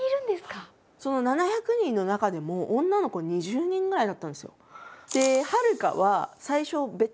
その７００人の中でも女の子２０人ぐらいだったんですよ。